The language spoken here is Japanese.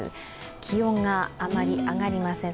気温があまり上がりません。